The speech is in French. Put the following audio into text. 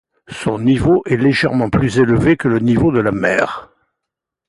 Son niveau est légèrement plus élevé que le niveau de la mer.